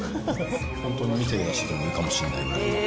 本当に店で出してもいいかもしれないぐらいの。